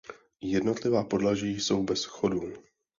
Jednotlivá podlaží jsou bez schodů.